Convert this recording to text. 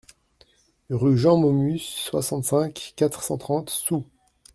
Rue Jean Maumus, soixante-cinq, quatre cent trente Soues